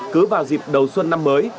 cứ vào dịp đầu xuân năm mới